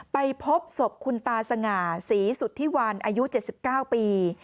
ไปพบศพคุณตาสง่าศรีสุธิวันอายุ๗๙ปี